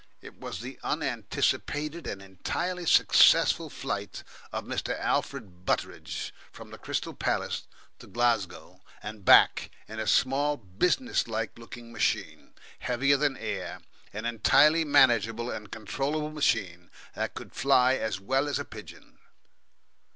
It was the unanticipated and entirely successful flight of Mr. Alfred Butteridge from the Crystal Palace to Glasgow and back in a small businesslike looking machine heavier than air an entirely manageable and controllable machine that could fly as well as a pigeon.